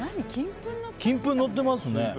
金粉のってますね。